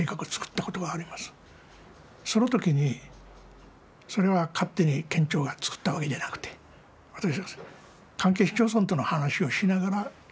その時にそれは勝手に県庁が作ったわけじゃなくて関係市町村との話をしながら詰めていくんですよね。